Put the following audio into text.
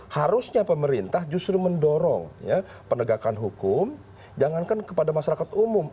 harusnya pemerintah justru mendorong penegakan hukum jangankan kepada masyarakat umum